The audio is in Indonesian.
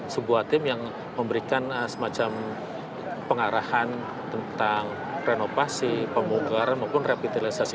sebuah tim yang memberikan semacam pengarahan tentang renovasi pemugaran maupun revitalisasi